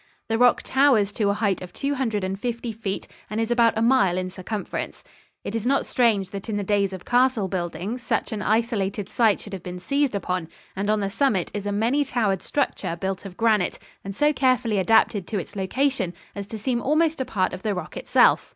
The rock towers to a height of two hundred and fifty feet and is about a mile in circumference. It is not strange that in the days of castle building such an isolated site should have been seized upon; and on the summit is a many towered structure built of granite and so carefully adapted to its location as to seem almost a part of the rock itself.